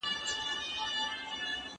د هغې ښځي پوهه ډېره وه.